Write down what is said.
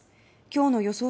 今日の予想